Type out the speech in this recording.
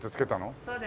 そうです。